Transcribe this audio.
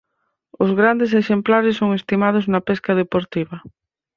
Os grandes exemplares son estimados na pesca deportiva.